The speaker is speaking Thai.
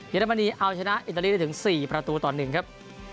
อรมนีเอาชนะอิตาลีได้ถึง๔ประตูต่อ๑ครับ